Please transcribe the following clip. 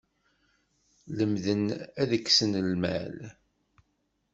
Lemden ad ksen lmal.